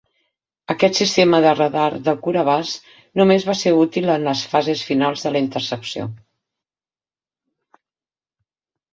Aquest sistema de radar de curt abast només va ser útil en les fases finals de la intercepció.